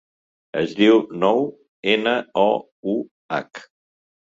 Es diu Nouh: ena, o, u, hac.